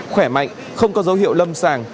khỏe mạnh không có dấu hiệu lâm sàng